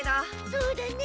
そうだね。